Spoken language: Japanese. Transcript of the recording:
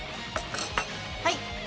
はい。